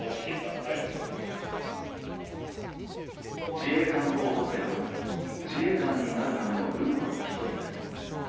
自衛官候補生は自衛官になるためのルートの１つです。